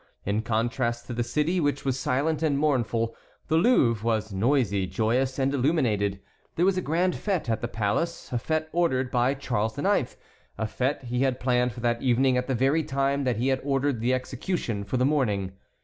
In contrast to the city, which was silent and mournful, the Louvre was noisy, joyous, and illuminated. There was a grand fête at the palace, a fête ordered by Charles IX., a fête he had planned for that evening at the very time that he had ordered the execution for the morning.